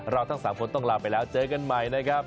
ทั้ง๓คนต้องลาไปแล้วเจอกันใหม่นะครับ